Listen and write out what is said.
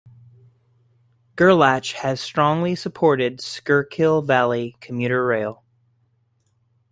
Gerlach has strongly supported Schuylkill Valley commuter rail.